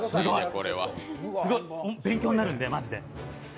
すごい勉強になるんで、マジで。